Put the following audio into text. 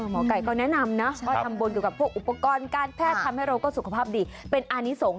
หมอไก่ก็แนะนำนะว่าทำบุญเกี่ยวกับพวกอุปกรณ์การแพทย์ทำให้เราก็สุขภาพดีเป็นอานิสงฆ